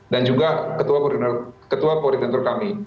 dan juga ketua koordinator kami